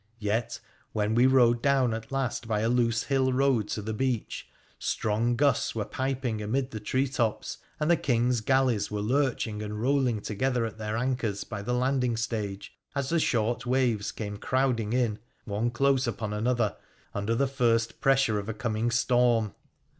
Yet, when we rode down at last by a loose hill road to the beach, strong gusts were piping amid the treetops, and the King's galleys were lurching and rolling together at their anchors by the landing stage as the short waves came crowding in, one close upon another, under the first pressure of a coming gtorm.